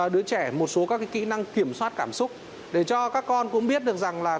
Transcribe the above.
đứa trẻ một số các kỹ năng kiểm soát cảm xúc để cho các con cũng biết được rằng là